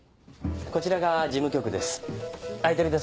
こちらが事務局です